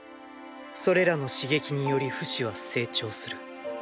それらの刺激によりフシは成長する。